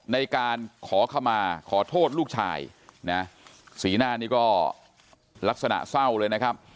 ในการขอขมาขอโทษลูกชายนะสีหน้านี้ก็ลักษณะเศร้าเลยนะครับ